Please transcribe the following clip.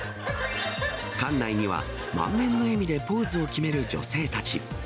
館内には、満面の笑みでポーズを決める女性たち。